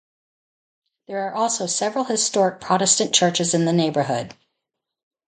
There are also several historic Protestant churches in the neighborhood.